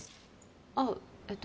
あっえっと